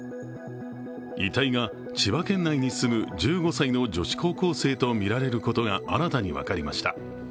遺体が千葉県内に住む１５歳の女子高校生とみられることが新たに分かりました。